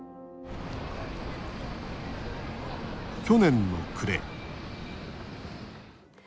去年の暮れ。